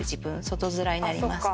外面になります。